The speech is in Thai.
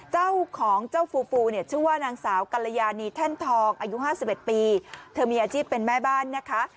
เจ้าของเจ้าฟูฟูเนี่ยชื่อว่านางสาวกัลยานีแท่นทองอายุ๕๑ปีเธอมีอาชีพเป็นแม่บ้านนะคะ